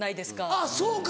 あっそうか。